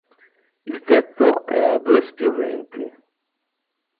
Il tetto è a due spioventi.